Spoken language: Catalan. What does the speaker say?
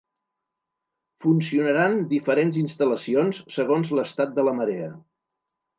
Funcionaran diferents instal·lacions segons l'estat de la marea.